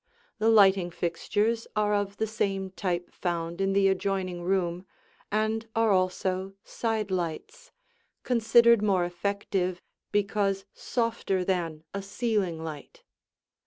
The lighting fixtures are of the same type found in the adjoining room and are also side lights, considered more effective because softer than a ceiling light.